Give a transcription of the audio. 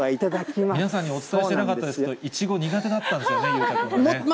皆さんにお伝えしてなかったですけれども、いちご、苦手だったんですよね、裕太君ね。